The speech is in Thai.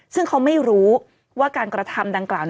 ซึ่งเขาไม่รู้ว่าการกระทำดังกล่าว